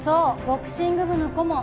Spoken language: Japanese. ボクシング部の顧問。